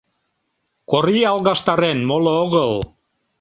Корий алгаштарен, моло огыл.